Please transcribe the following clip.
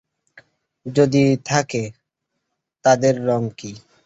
যদি থাকে, তাদের রঙ কী?